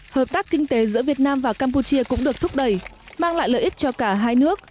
hợp tác kinh tế giữa việt nam và campuchia cũng được thúc đẩy mang lại lợi ích cho cả hai nước